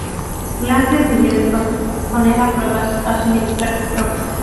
Glass decidió entonces poner a prueba a su inexperta tropa.